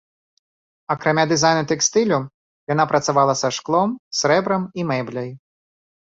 Акрамя дызайну тэкстылю, яна працавала са шклом, срэбрам і мэбляй.